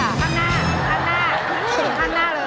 ข้างหน้าเลย